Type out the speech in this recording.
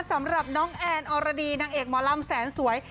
สำหรับน้องแอนอรดีนางเอกหมอลำแสนสวย